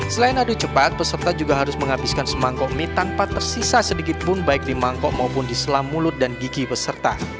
selain adu cepat peserta juga harus menghabiskan semangkok mie tanpa tersisa sedikit pun baik di mangkok maupun di selam mulut dan gigi peserta